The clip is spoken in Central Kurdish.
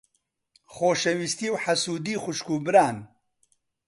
خۆشەویستی و حەسوودی خوشک و بران.